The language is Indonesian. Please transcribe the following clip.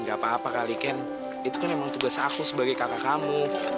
gak apa apa kali ken itu kan memang tugas aku sebagai kakak kamu